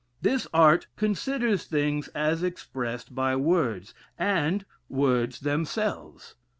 This art considers things as expressed by words, and words themselves.